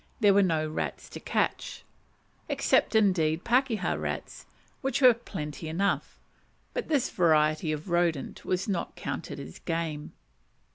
_, there were no rats to catch: except indeed pakeha rats, which were plenty enough, but this variety of rodent was not counted as game.